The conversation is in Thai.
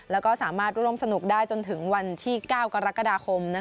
แล้วก็สามารถร่วมสนุกได้จนถึงวันที่๙กรกฎาคม